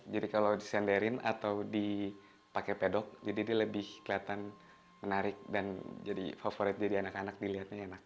jadi kalau disenderin atau dipakai pedok jadi dia lebih kelihatan menarik dan jadi favorit jadi anak anak dilihatnya enak